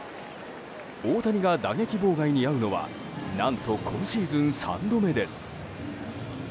大谷が打撃妨害に遭うのは何と今シーズン３度目です。